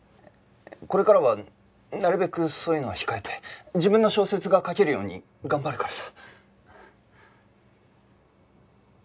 これからはなるべくそういうのは控えて自分の小説が書けるように頑張るからさ。